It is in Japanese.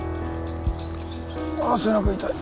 あ背中痛い。